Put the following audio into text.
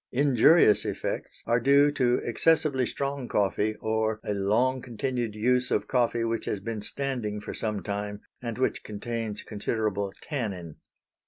Injurious effects are due to excessively strong coffee, or a long continued use of coffee which has been standing for some time and which contains considerable tannin.